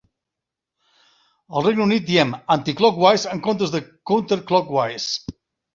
Al Regne Unit diem Anti-clockwise en comptes de Counterclockwise